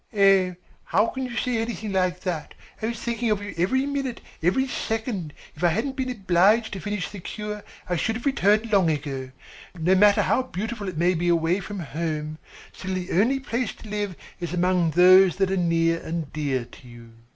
"Oh, how can you say anything like that. I was thinking of you every minute, every second. If I hadn't been obliged to finish the cure, I should have returned long ago. No matter how beautiful it may be away from home, still the only place to live is among those that are near and dear to you."